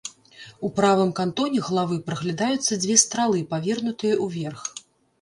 У правым кантоне главы праглядаюцца дзве стралы, павернутыя ўверх.